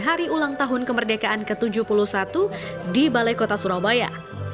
hari ulang tahun kemerdekaan ke tujuh puluh satu di balai kota surabaya